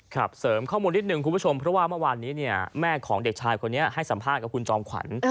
เสริมข้อมูลนิดนึงคุณผู้ชมเพราะว่าเมื่อวานนี้เนี่ยแม่ของเด็กชายคนนี้ให้สัมภาษณ์กับคุณจอมขวัญ